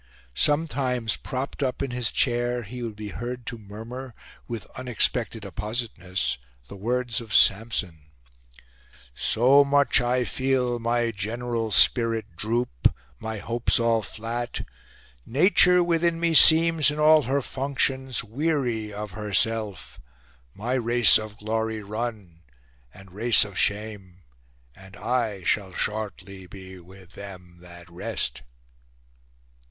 Sometimes, propped up in his chair, he would be heard to murmur, with unexpected appositeness, the words of Samson: "So much I feel my general spirit droop, My hopes all flat, nature within me seems, In all her functions weary of herself, My race of glory run, and race of shame, And I shall shortly be with them that rest."